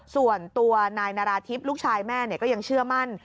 ส่วนตัวนายนาราธิบลูกชายแม่ก็ยังเชื่อมั่น